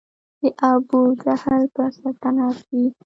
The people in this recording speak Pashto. د ابوجهل به سلطنت وي